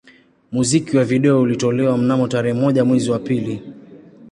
Muziki wa video ulitolewa mnamo tarehe moja mwezi wa pili